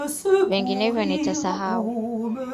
Vinginevyo nitasahau.